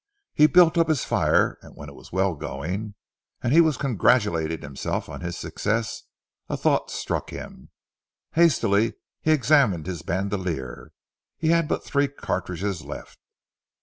He built up his fire, and when it was well going, and he was congratulating himself on his success a thought struck him. Hastily he examined his bandolier. He had but three cartridges left.